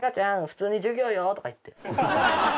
普通に授業よ」とか言って。